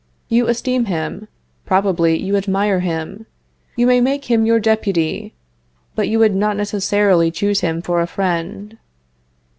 You esteem him possibly you admire him. You may make him your deputy, but you would not necessarily choose him for a friend.